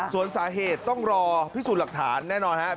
ส่วนสาเหตุต้องรอพิสูจน์หลักฐานแน่นอนครับ